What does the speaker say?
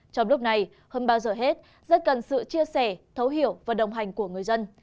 trong lúc này hơn bao giờ hết rất cần sự chia sẻ thấu hiểu và đồng hành của người dân